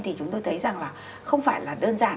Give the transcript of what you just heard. thì chúng tôi thấy rằng là không phải là đơn giản